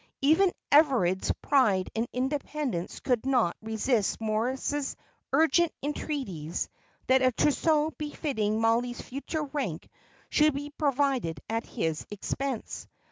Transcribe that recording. Even Everard's pride and independence could not resist Moritz's urgent entreaties that a trousseau befitting Mollie's future rank should be provided at his expense.